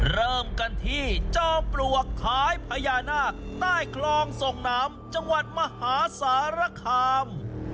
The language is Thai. เริ่มกันที่จอมปลวกขายพญานาคใต้คลองส่งน้ำจังหวัดมหาสารคาม